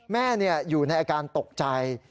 อยู่ในอาการตกใจ